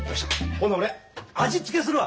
ほな俺味付けするわな。